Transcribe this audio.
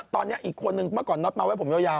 ตอนนี้อีกคนมาก่อนนัดเมาให้ผมยาว